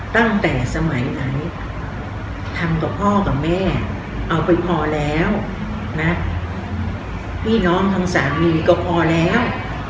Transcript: ตั้งแต่สมัยไหนทำกับพ่อกับแม่เอาไปพอแล้วนะพี่น้องทั้งสามีก็พอแล้ว